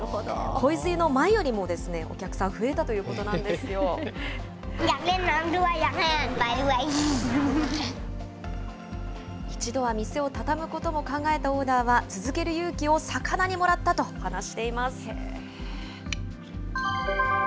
洪水の前よりもお客さん増えたと一度は店をたたむことも考えたオーナーは、続ける勇気を魚にもらったと話しています。